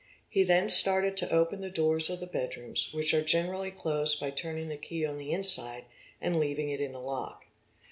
He then started to open the doors of the bed rooms, which are generally closed by turning the key on the inside and leaving it in the lock.